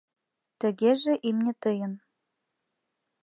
— Тыгеже имне тыйын.